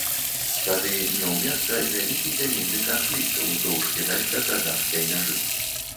Тады меў месца вялікі зямельны канфлікт уздоўж кітайска-казахскай мяжы.